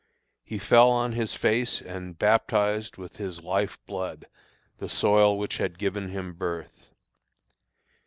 He fell on his face and baptized with his life blood the soil which had given him birth.